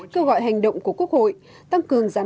kêu gọi hành động của quốc gia